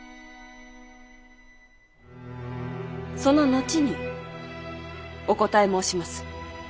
その後にお答え申します。